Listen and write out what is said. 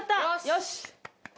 よし！